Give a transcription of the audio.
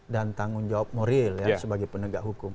dan tanggung jawab moral sebagai penegak hukum